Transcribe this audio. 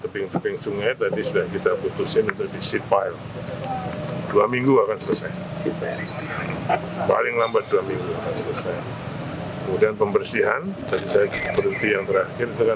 bapak bapak di daerah rumija ruang minija jadi kami bisa pakai itu